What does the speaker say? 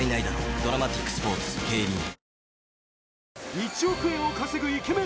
１億円を稼ぐイケメン